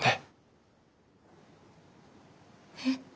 えっ？